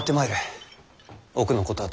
奥のことは頼む。